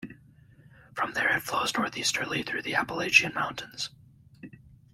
From there it flows northeasterly through the Appalachian Mountains.